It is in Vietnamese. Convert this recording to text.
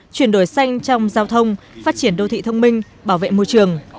chuyển đổi xanh trong giao thông phát triển đô thị thông minh bảo vệ môi trường